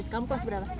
kamu kelas berapa